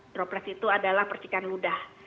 droplet itu adalah percikan ludah